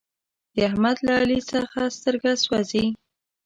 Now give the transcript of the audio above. د احمد له علي څخه سترګه سوزي.